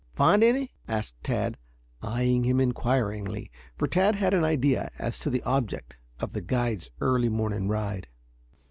"Find any?" asked Tad, eyeing him inquiringly, for Tad had an idea as to the object of the guide's early morning ride.